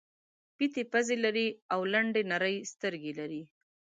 پېتې پزې لري او لنډې نرۍ سترګې لري.